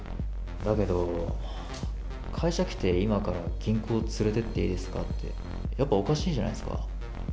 だけど、会社来て今から銀行連れてっていいですかって、やっぱおかしいじゃないですか。